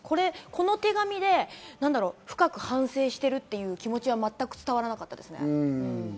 この手紙で深く反省しているっていう気持ちは全く伝わらなかったですね。